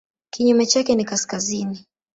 Kinyume chake ni kaskazini.